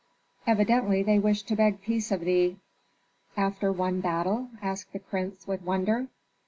"Evidently they wish to beg peace of thee." "After one battle?" asked the prince, with wonder.